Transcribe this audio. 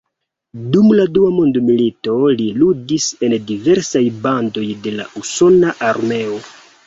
Dum la Dua Mondmilito li ludis en diversaj bandoj de la usona armeo.